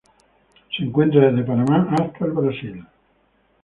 Se encuentra desde Panamá hasta el Brasil.